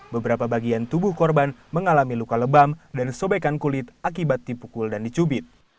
beberapa bagian tubuh korban mengalami luka lebam dan sobekan kulit akibat dipukul dan dicubit